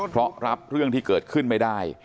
เพราะรับเรื่องที่เกิดขึ้นไม่ได้